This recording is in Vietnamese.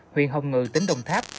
huyện hồng ngự tỉnh đồng tháp